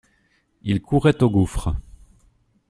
Ils couraient au gouffre.